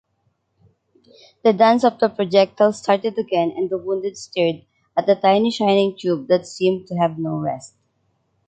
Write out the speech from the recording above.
The dance of the projectile started again and the wounded stared at that tiny shining tube that seemed to have no rest.